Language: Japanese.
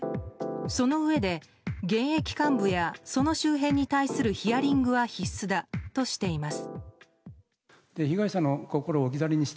そのうえで現役幹部や、その周辺に対するヒアリングは必須だとしています。